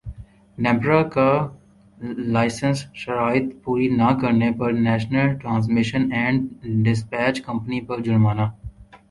نیپرا کا لائسنس شرائط پوری نہ کرنے پر national transmission and dispatch company پر جرمانہ